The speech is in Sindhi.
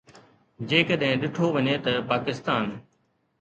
جيڪڏهن ڏٺو وڃي ته پاڪستان